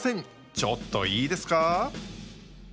ちょっといいですか？